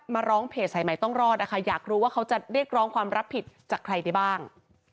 มาร้องเพจสายใหม่ต้องรอดนะคะอยากรู้ว่าเขาจะเรียกร้องความรับผิดจากใครได้บ้าง